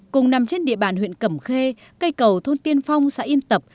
cùng nằm trên địa bàn huyện cẩm khê cây cầu thôn tiên phong xã yên tập